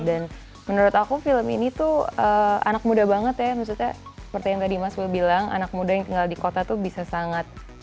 dan menurut aku film ini tuh anak muda banget ya maksudnya seperti yang tadi mas wil bilang anak muda yang tinggal di kota tuh bisa sangat menikah